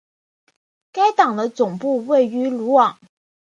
该党的总部位于鲁昂。